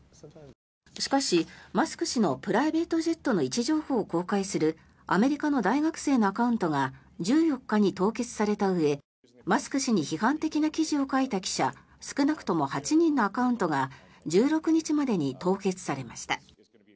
しかし、マスク氏のプライベートジェットの位置情報を公開するアメリカの大学生のアカウントが１４日に凍結されたうえマスク氏に批判的な記事を書いた記者少なくとも８人のアカウントが１６日までに凍結されました。